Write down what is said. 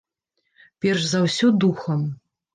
Перш за ўсё, духам.